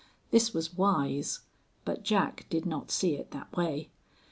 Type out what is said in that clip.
This was wise, but Jack did not see it that way.